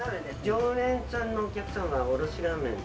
常連さんのお客さんはおろしラーメン。